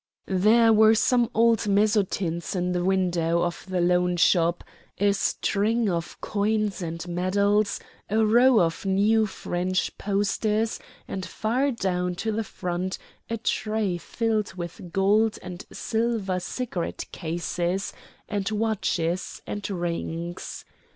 There were some old mezzotints in the window of the loan shop, a string of coins and medals, a row of new French posters; and far down to the front a tray filled with gold and silver cigarette cases and watches and rings.